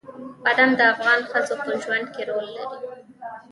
بادام د افغان ښځو په ژوند کې رول لري.